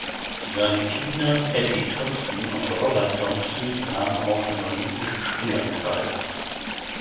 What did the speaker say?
Seine Kinder Patty Thompson und Robert Thompson nahmen auch an Olympischen Spielen teil.